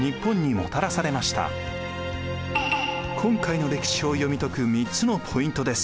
今回の歴史を読み解く３つのポイントです。